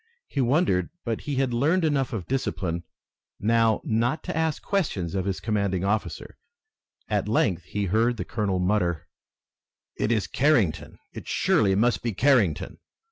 He wondered, but he had learned enough of discipline now not to ask questions of his commanding officer. At length he heard the colonel mutter: "It is Carrington! It surely must be Carrington!"